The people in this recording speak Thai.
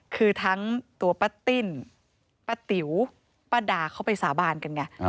คือทั้งตัวป้าติ้นป้าติ๋วป้าดาเขาไปสาบานกันไง